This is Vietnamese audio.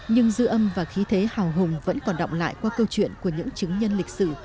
nhưng dư âm và khí thế hào hùng vẫn còn động lại qua câu chuyện của những chứng nhân lịch sử